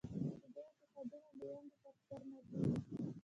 د دوی اتحادونه د ونډې پر سر ماتېږي.